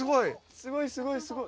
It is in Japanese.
すごいすごいすごい。